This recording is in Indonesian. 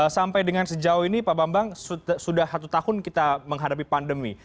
sampai dengan sejauh ini pak bambang sudah satu tahun kita menghadapi pandemi